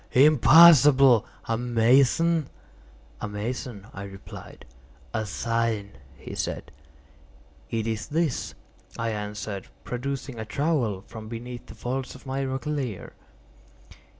Impossible! A mason?" "A mason," I replied. "A sign," he said. "It is this," I answered, producing a trowel from beneath the folds of my roquelaire.